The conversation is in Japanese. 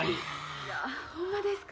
いやほんまですか？